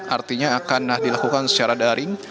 artinya akan dilakukan secara daring